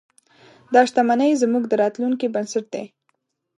دا شتمنۍ زموږ د راتلونکي بنسټ دی.